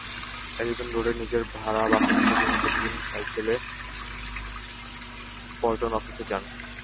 Elephant রোডের নিজের ভাড়া বাসা থেকে তিনি প্রতিদিন সাইকেলে পল্টনে অফিসে যান।